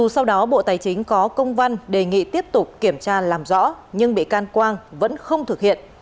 sau đó bộ tài chính có công văn đề nghị tiếp tục kiểm tra làm rõ nhưng bị can quang vẫn không thực hiện